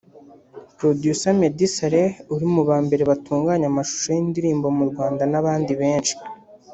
Producer Meddy Saleh uri mu ba mbere batunganya amashusho y’indirimbo mu Rwanda n’abandi benshi